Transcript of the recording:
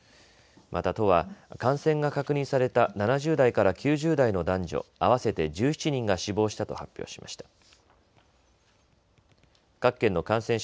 また都は感染が確認された７０代から９０代の男女、合わせて１７人が死亡したと発表しました。